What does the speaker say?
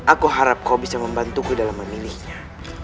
aku harap kau bisa membantuku dalam memilihnya